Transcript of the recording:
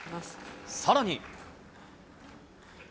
さらに。